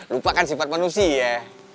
lupakan sifat manusia